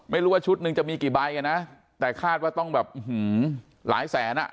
ไม่รู้ว่าชุดหนึ่งจะมีกี่ใบอ่ะนะแต่คาดว่าต้องแบบหลายแสนอ่ะ